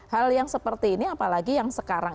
hal yang seperti ini apalagi yang sekarang